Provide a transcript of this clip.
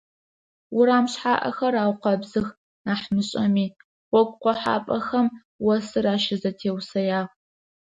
Урам шъхьаӀэхэр аукъэбзых нахь мышӀэми, гъогу къохьапӀэхэм осыр ащызэтеусэягъ.